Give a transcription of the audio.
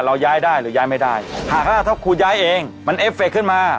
เราย้ายได้หรือย้ายไม่ได้หากว่าถ้าคุณย้ายเองมันเอฟเฟคขึ้นมา